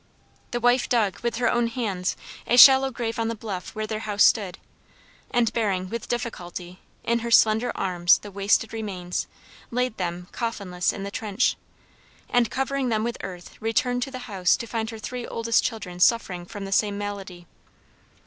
The wife dug, with her own hands, a shallow grave on the bluff where their house stood, and bearing, with difficulty, in her slender arms the wasted remains, laid them, coffinless, in the trench, and covering them with earth, returned to the house to find her three oldest children suffering from the same malady.